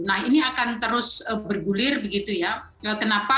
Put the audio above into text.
nah ini akan terus bergulir begitu ya kenapa